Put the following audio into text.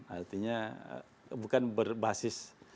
artinya bukan berbasis